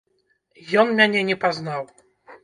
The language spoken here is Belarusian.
Ён мяне не пазнаў.